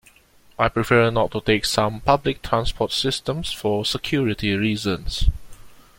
I prefer not to take some public transport systems for security reasons.